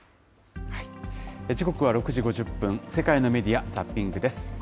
時刻は６時５０分、世界のメディア・ザッピングです。